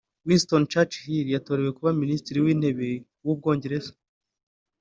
Winston Churchill yatorewe kuba minisitiri w’intebe w’ubwongereza